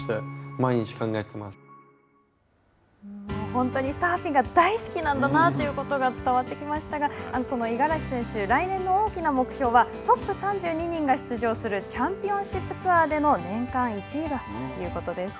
本当にサーフィンが大好きなんだなということが伝わってきましたが、その五十嵐選手、来年の大きな目標は、トップ３２人が出場するチャンピオンシップツアーでの年間１位だということです。